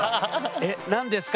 え何ですか？